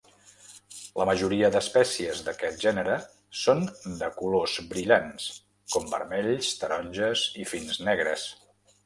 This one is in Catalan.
La majoria d'espècies d'aquest gènere són de colors brillants com vermells, taronges i fins negres.